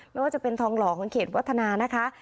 ไม่ว่าจะเป็นทองหล่อของเขตวัฒนานะคะ